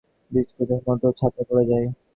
কাছে বসলে মনটাতে বাদলার বিস্কুটের মতো ছাতা পড়ে যায়।